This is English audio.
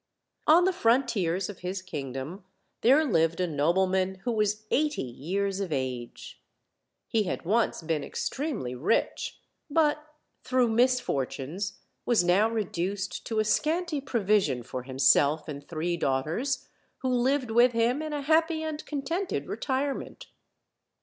On the frontiers of his kingdom there lived a nobleman who was eighty years of age; he had once been extremely rich, but through misfortunes was now reduced to a scanty provision for himself and three daughters, who lived with him in a happy and contented retirement.